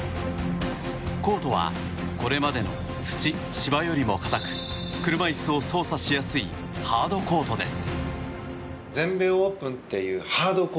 コートはこれまでの土・芝よりも硬く車椅子を操作しやすいハードコートです。